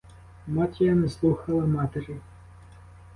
Мотря не слухала матері.